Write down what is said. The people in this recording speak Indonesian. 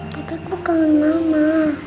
tapi aku kangen mama